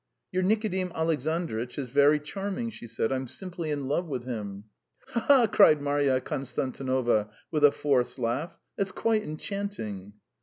"Your Nikodim Alexandritch is very charming!" she said. "I'm simply in love with him." "Ha, ha, ha!" cried Marya Konstantinovna, with a forced laugh; "that's quite enchanting."